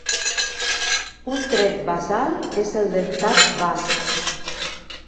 Un tret basal és el dentat bast.